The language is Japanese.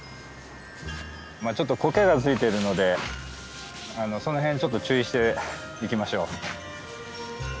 ちょっと苔がついているのでその辺ちょっと注意して行きましょう。